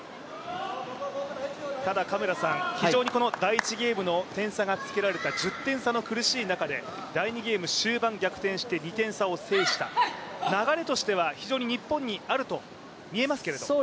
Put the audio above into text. ただ嘉村さん、非常に第１ゲームの点差がつけられた、１０点差がつけられた中で第２ゲーム終盤逆転して、２点差を制した、流れとしては、非常に日本にあると見えますけれども。